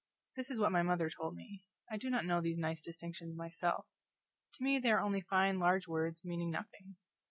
This is what my mother told me, I do not know these nice distinctions myself. To me they are only fine large words meaning nothing.